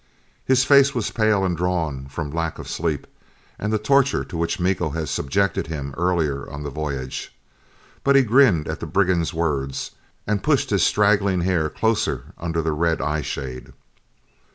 His face was pale and drawn from lack of sleep and the torture to which Miko had subjected him earlier on the voyage. But he grinned at the brigand's words, and pushed his straggling hair closer under the red eyeshade.